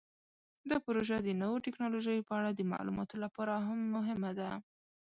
دا پروژه د نوو تکنالوژیو په اړه د معلوماتو لپاره هم مهمه ده.